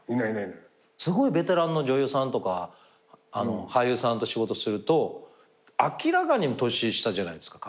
すごいベテランの女優さんとか俳優さんと仕事すると明らかに年下じゃないですか